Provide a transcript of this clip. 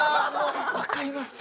分かります。